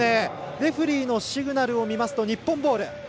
レフェリーのシグナルを見ますと日本ボール。